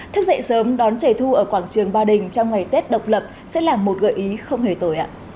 thức dậy sớm đón trẻ thu ở quảng trường ba đình trong ngày tết độc lập sẽ là một gợi ý không hề tồi ạ